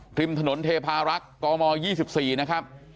ริมถนนเทพารักษ์กม๒๔นะครับ